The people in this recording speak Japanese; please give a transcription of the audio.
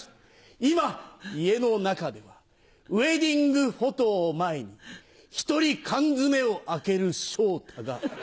今家の中ではウエディングフォトを前に一人缶詰を開ける昇太がいた。